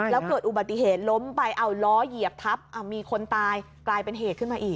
แล้วเกิดอุบัติเหตุล้มไปเอาล้อเหยียบทับมีคนตายกลายเป็นเหตุขึ้นมาอีก